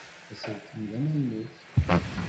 Aselkim d amaynut.